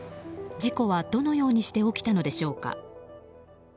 事故は、どのようにして起きたのでしょうか。